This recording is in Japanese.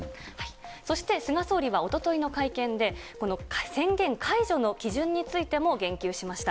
そして菅総理はおとといの会見で、この宣言解除の基準についても言及しました。